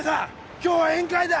今日は宴会だ！